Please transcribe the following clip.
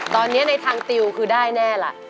ตอนนี้ในทางติวคือได้แน่ล่ะ